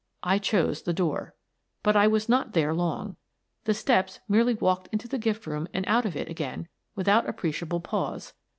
I chose the door. But I was not there long. The steps merely walked into the gift room and out of it again with out appreciable pause.